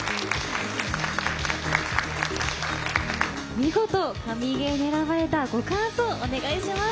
見事神ゲーに選ばれたご感想をお願いします。